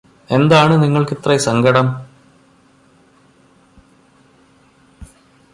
എന്താണ് നിങ്ങൾക്കിത്രേ സങ്കടം